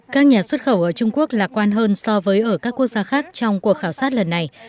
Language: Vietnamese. các nhà xuất khẩu ở trung quốc lạc quan hơn so với ở các quốc gia khác trong cuộc khảo sát lần này